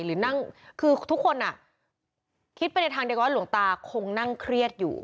หรือนั่งคือทุกคนคิดไปในทางเดียวกันว่าหลวงตาคงนั่งเครียดอยู่